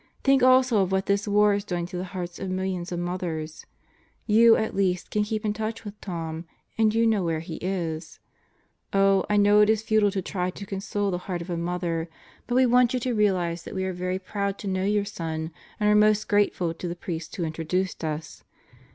Think also of what this war is doing to the hearts of millions of mothers. You, at least, can keep in touch with Tom and you know where he is. Oh, I know it is futile to try to console the heart of a mother, but we want you to realize that we are very proud to know your son and are most grateful to the priest who introduced us.